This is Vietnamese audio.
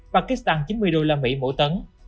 pakistan chín mươi đô la mỹ mỗi tấn